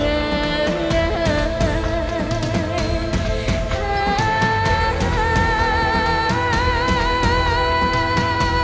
อ้าอ้าอ้าอ้าอ้าอ้าอ้าอ้าอ้า